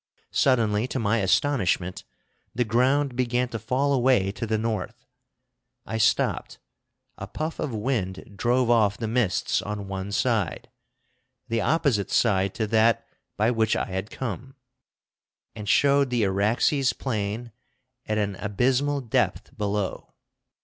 Suddenly to my astonishment the ground began to fall away to the north; I stopped; a puff of wind drove off the mists on one side, the opposite side to that by which I had come, and showed the Araxes plain at an abysmal depth below.